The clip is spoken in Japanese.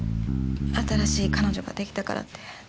新しい彼女が出来たからって。